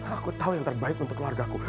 aku tahu yang terbaik untuk keluarga ku